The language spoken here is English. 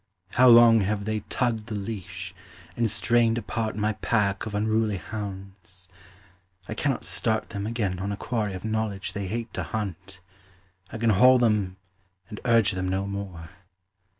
How long have they tugged the leash, and strained apart My pack of unruly hounds: I cannot start Them again on a quarry of knowledge they hate to hunt, I can haul them and urge them no more.